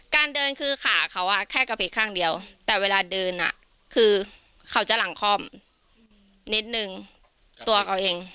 การเดินคือขาเขาแค่กระพริกข้างเดียวแต่เวลาเดินคือเขาจะหลังคล่อมนิดนึงตัวเขาเอง